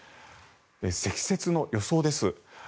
積雪の予想です。